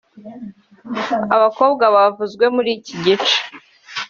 Abakobwa bavuzwe muri iki gice